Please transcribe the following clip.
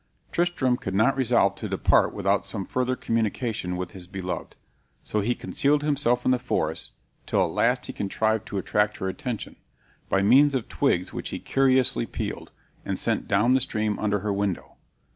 Tristram could not resolve to depart without some further communication with his beloved; so he concealed himself in the forest, till at last he contrived to attract her attention, by means of twigs which he curiously peeled, and sent down the stream under her window.